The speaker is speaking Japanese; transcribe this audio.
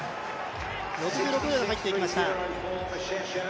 ６６秒で入っていきました。